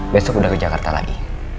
besok udah ke jakarta lagi